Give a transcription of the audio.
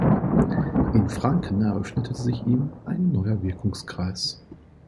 In Franken eröffnete sich ihm ein neuer Wirkungskreis.